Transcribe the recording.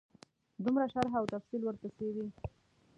دومره شرح او تفصیل ورپسې وي.